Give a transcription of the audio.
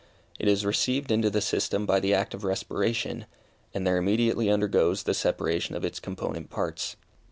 It is received into the system by the act of respiration, and there immediately undergoes the separation of its component parts.